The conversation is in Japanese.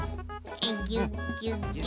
ぎゅっぎゅっぎゅ。